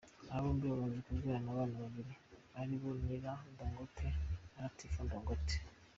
Aba bombi bamaze kubyarana abana babiri ari bo Nillan Dangote na Latifah Dangote.